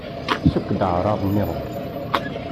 Sukk-d aεṛaḍ-nniḍen.